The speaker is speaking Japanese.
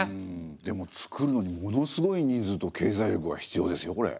でもつくるのにものすごい人数と経済力が必要ですよこれ。